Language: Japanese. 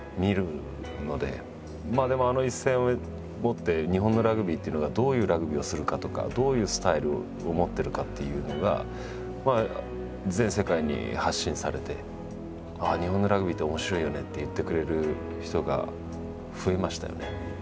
まあでもあの一戦をもって日本のラグビーっていうのがどういうラグビーをするかとかどういうスタイルを持ってるかっていうのが全世界に発信されて「日本のラグビーって面白いよね」って言ってくれる人が増えましたよね。